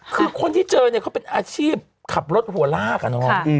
คือคนที่เจอเนี่ยเขาเป็นอาชีพขับรถหัวลากอะเนาะ